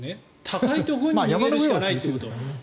高いところに逃げるしかないっていうこと。